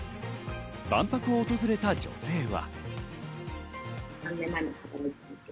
万博を訪れた女性は。